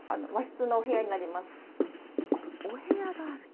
お部屋があると。